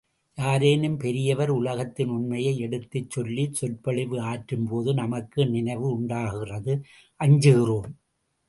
யாரேனும் பெரியவர் உலகத்தின் உண்மையை எடுத்துச் சொல்லிச் சொற்பொழிவு ஆற்றும்போது நமக்கு நினைவு உண்டாகிறது அஞ்சுகிறோம்.